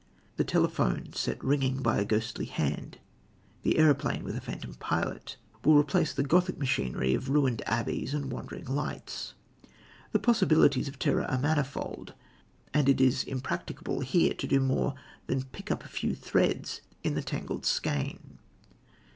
The telephone set ringing by a ghostly hand, the aeroplane with a phantom pilot, will replace the Gothic machinery of ruined abbeys and wandering lights. The possibilities of terror are manifold, and it is impracticable here to do more than pick up a few threads in the tangled skein.